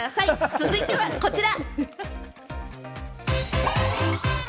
続いてはこちら。